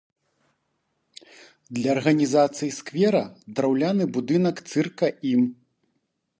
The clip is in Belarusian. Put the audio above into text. Для арганізацыі сквера драўляны будынак цырка ім.